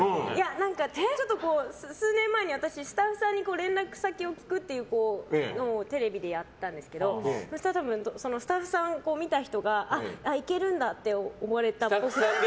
数年前に、私スタッフさんに連絡先を聞くってのをテレビでやったんですけどそうしたらスタッフさんで見た人が、いけるんだって思われたっぽい。